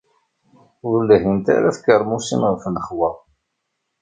Ur lhint ara tkermusin ɣef lexwa.